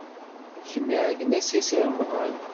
Ken iɛeyyen-as i Si Remḍan.